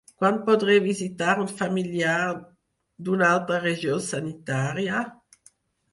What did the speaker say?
Quan podré visitar un familiar d’un altra regió sanitària?